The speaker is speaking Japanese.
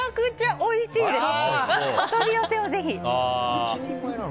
お取り寄せを、ぜひ。